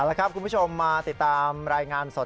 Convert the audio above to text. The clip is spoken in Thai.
แล้วครับคุณผู้ชมมาติดตามรายงานสด